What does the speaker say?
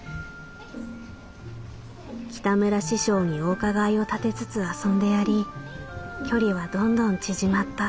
「北村師匠にお伺いを立てつつ遊んでやり距離はどんどん縮まった」。